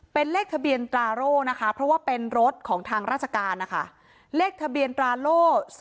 เป็นเลขทะเบียนตราโร่นะคะเพราะว่าเป็นรถของทางราชการนะคะเลขทะเบียนตราโล่๒๕๖